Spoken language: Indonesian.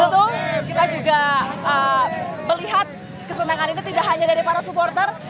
untuk kita juga melihat kesenangan ini tidak hanya dari para supporter